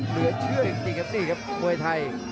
เหลือเชื่อจริงครับนี่ครับมวยไทย